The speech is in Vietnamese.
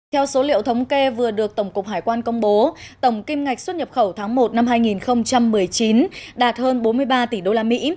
theo số liệu thống kê vừa được tổng cục hải quan công bố tổng kim ngạch xuất nhập khẩu tháng một năm hai nghìn một mươi chín đạt hơn bốn mươi ba tỷ đô la mỹ